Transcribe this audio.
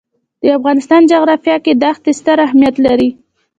د افغانستان جغرافیه کې دښتې ستر اهمیت لري.